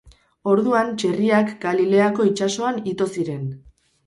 Orduan, txerriak Galileako itsasoan ito ziren.